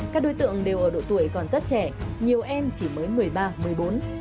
các đối tượng đều ở độ tuổi còn rất trẻ nhiều em chỉ mới một mươi ba một mươi bốn